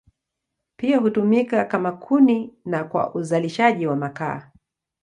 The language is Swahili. Pia hutumika kama kuni na kwa uzalishaji wa makaa.